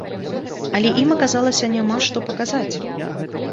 Але ім аказалася няма што паказаць.